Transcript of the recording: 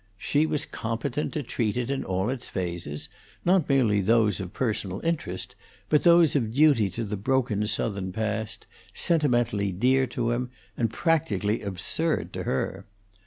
She was competent to treat it in all its phases: not merely those of personal interest, but those of duty to the broken Southern past, sentimentally dear to him, and practically absurd to her.